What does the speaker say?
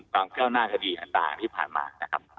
ก้าวหน้าคดีต่างที่ผ่านมานะครับ